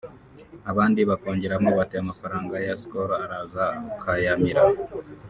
abandi bakongeramo bati amafaranga ya Skol araza ukayamira